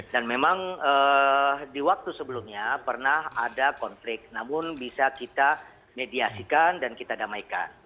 dan memang di waktu sebelumnya pernah ada konflik namun bisa kita mediasikan dan kita damaikan